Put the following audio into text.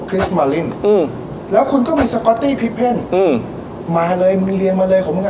คริสต์มารินอือแล้วคุณก็มีสก๊อตตี้พริกเพ่นอืมมาเลยมีเรียงมาเลยของมึงอ่ะ